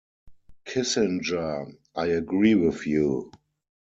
Kissinger: I agree with you.